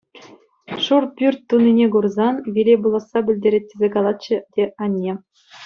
Шур пӳрт тунине курсан виле пуласса пӗлтерет тесе калатчӗ те анне.